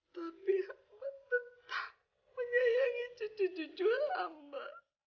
tapi amba tetap menyayangi cucu cucu amba